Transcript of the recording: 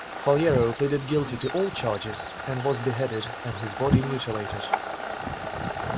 Faliero pleaded guilty to all charges and was beheaded and his body mutilated.